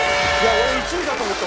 俺１位だと思った！